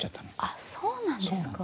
あそうなんですか。